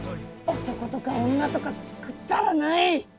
男とか女とかくだらない！